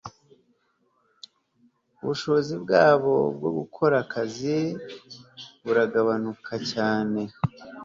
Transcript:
ubushobozi bwabo bwo gukora akazi buragabanuka cyane